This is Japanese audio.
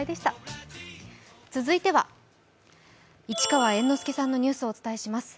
続いては、市川猿之助さんのニュースをお伝えします。